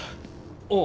ああ。